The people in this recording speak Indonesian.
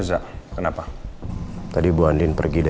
mama mama masuk dulu mama